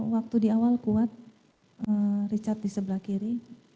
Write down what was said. waktu di awal kuat richard di sebelah kiri